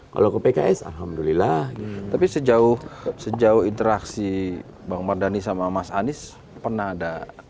kalau ke pks alhamdulillah tapi sejauh interaksi bang mardhani sama mas anies pernah ada